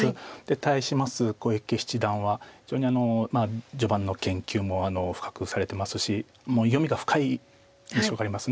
対します小池七段は非常に序盤の研究も深くされてますし読みが深い印象があります。